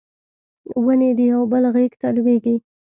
ونې د یو بل غیږ ته لویږي